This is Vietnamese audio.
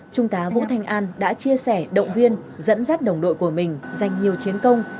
trung tá vũ thanh an đã chia sẻ động viên dẫn dắt đồng đội của mình giành nhiều chiến công